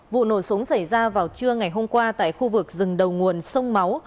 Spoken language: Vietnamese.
vụ nổ súng xảy ra vào trưa ngày hôm qua tại khu vực rừng đầu nguồn sông máu